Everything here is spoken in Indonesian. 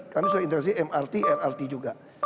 kami sudah integrasi mrt rrt juga